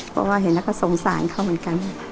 เพราะว่าเห็นแล้วก็สงสารเขาเหมือนกัน